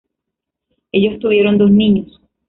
Ellos tuvieron dos niños.